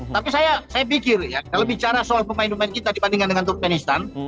tapi saya pikir ya kalau bicara soal pemain pemain kita dibandingkan dengan turkmenistan